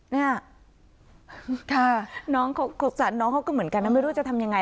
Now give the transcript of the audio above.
เนี่ยค่ะน้องเขาสั่นน้องเขาก็เหมือนกันนะไม่รู้จะทำยังไง